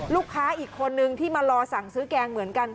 ลูกค้าอีกคนนึงที่มารอสั่งซื้อแกงเหมือนกัน